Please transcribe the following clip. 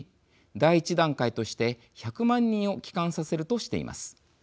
第１段階として１００万人を帰還させるとしています。